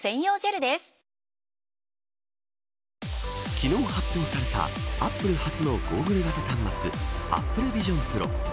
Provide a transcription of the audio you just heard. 昨日発表されたアップル初のゴーグル型端末ＡｐｐｌｅＶｉｓｉｏｎＰｒｏ。